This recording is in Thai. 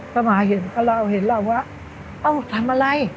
ก็มาเห็นกับเราเห็นเราว่าเอ้าทำอะไร